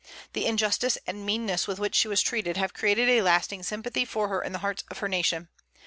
The injustice and meanness with which she was treated have created a lasting sympathy for her in the hearts of her nation.